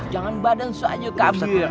jangan badan sogya kak ustadz